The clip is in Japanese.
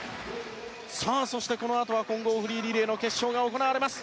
そしてこのあとは混合フリーリレーの決勝が行われます。